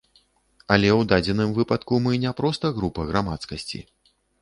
Але ў дадзеным выпадку мы не проста група грамадскасці.